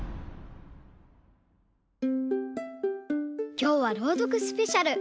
きょうは「ろうどくスペシャル」！